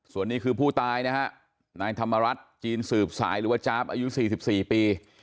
ส่วนนี้คือผู้ตายนะฮะนายธรรมรัฐจีนสืบสายหรือว่าจ๊าบอายุ๔๔ปี